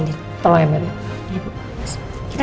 nir sama sama ya